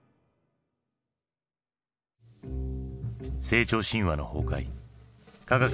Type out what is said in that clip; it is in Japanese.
成長神話の崩壊科学